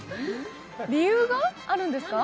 理由があるんですか？